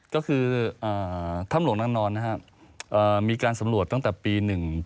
ก็คือท่ำหลวงน้ำนอนมีการสำรวจตั้งแต่ปี๑๙๘๘